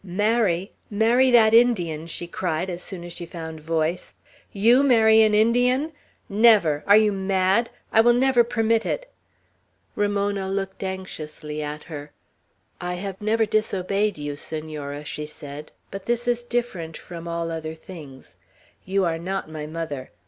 "Marry! Marry that Indian!" she cried, as soon as she found voice. "You marry an Indian? Never! Are you mad? I will never permit it." Ramona looked anxiously at her. "I have never disobeyed you, Senora," she said, "but this is different from all other things; you are not my mother.